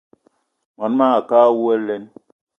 Mon manga a ke awou alen!